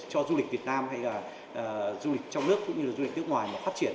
cho du lịch việt nam hay là du lịch trong nước cũng như là du lịch nước ngoài mà phát triển